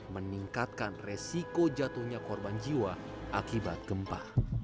meningkatkan resiko jatuhnya korban jiwa akibat gempa